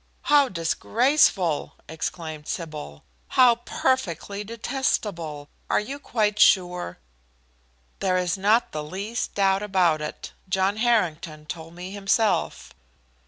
"How disgraceful!" exclaimed Sybil. "How perfectly detestable! Are you quite sure?" "There is not the least doubt about it. John Harrington told me himself."